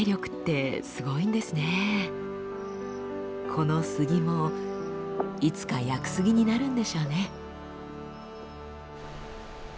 この杉もいつか屋久杉になるんでしょうね。